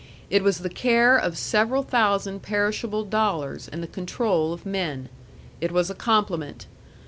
It was the care of several thousand perishable dollars and the control of men. It was a compliment.